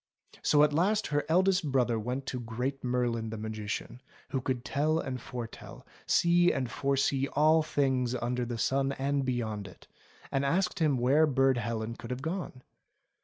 So at last her eldest brother went to Great Merlin the Magician, who could tell and foretell, see and foresee all things under the sun and beyond it, and asked him where Burd Helen could have gone.